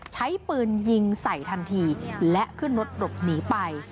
ใช้ปืนยิงใส่ทันทีและขึ้นรถหลบหนีไป